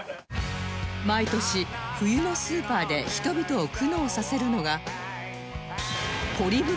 毎年冬のスーパーで人々を苦悩させるのが